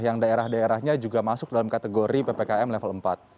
yang daerah daerahnya juga masuk dalam kategori ppkm level empat